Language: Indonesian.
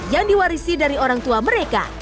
yang diwarisi dari orang tua mereka